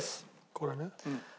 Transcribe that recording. これね。